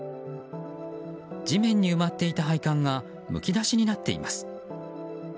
地面に埋まっていた配管がむき出しになっています。